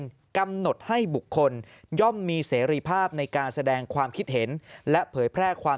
กำหนดให้บุคคลย่อมมีเสรีภาพในการแสดงความคิดเห็นและเผยแพร่ความ